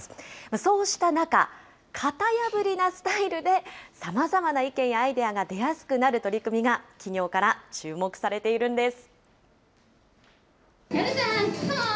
そうした中、型破りなスタイルで、さまざまな意見やアイデアが出やすくなる取り組みが企業から注目されているんです。